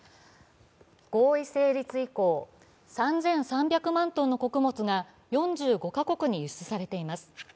合意成立以降、３３００万トンの穀物が４５か国に輸出されています。